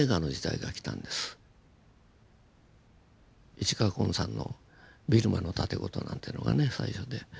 市川崑さんの「ビルマの竪琴」なんてのがね最初で。